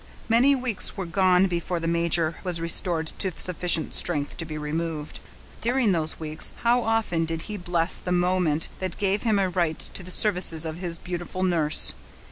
Many weeks were gone before the major was restored to sufficient strength to be removed. During those weeks, how often did he bless the moment that gave him a right to the services of his beautiful nurse!